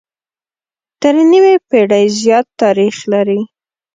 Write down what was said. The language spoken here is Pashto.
تر نيمې پېړۍ زيات تاريخ لري